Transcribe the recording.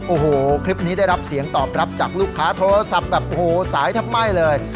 โอ้โหคลิปนี้ได้รับเสียงตอบรับจากลูกค้าโทรศัพท์แบบโอ้โหสายแทบไหม้เลย